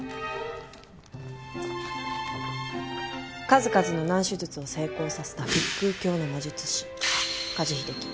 数々の難手術を成功させた腹腔鏡の魔術師加地秀樹。